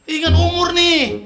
ingat umur nih